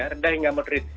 rendah hingga moderate